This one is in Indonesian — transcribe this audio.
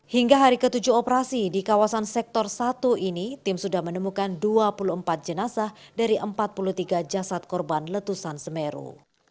hingga hari ketujuh operasi di kawasan sektor satu ini tim sudah menemukan dua puluh empat jenazah dari empat puluh tiga jasad korban letusan semeru